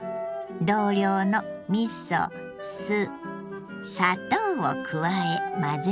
同量のみそ酢砂糖を加え混ぜるだけ。